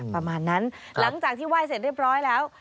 ประมาณนั้นหลังจากที่ไหว้เสร็จเรียบร้อยแล้ว